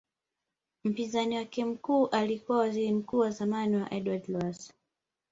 Mpinzani wake mkuu alikuwa Waziri Mkuu wa zamani Edward Lowassa